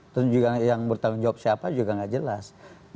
terus juga yang bertanggung jawab siapa juga nggak jelas